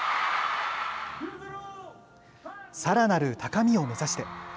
さらなる高みを目指して。